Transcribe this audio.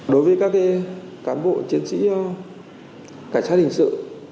đối với các cán bộ chiến sĩ cảnh sát hình sự